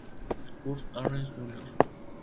Kurt Ahrens Jr.